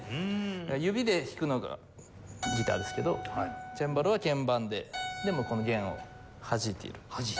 指で弾くのがギターですけどチェンバロは鍵盤でこの弦をはじいている。